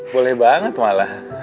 boleh banget malah